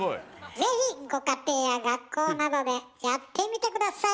是非ご家庭や学校などでやってみて下さい。